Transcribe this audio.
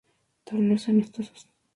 Torneos amistosos